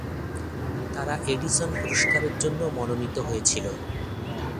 তারা এডিসন পুরস্কারের জন্য মনোনীত হয়েছিল।